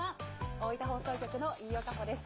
大分放送局の飯尾夏帆です。